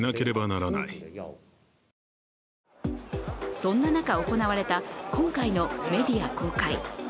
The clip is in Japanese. そんな中、行われた今回のメディア公開。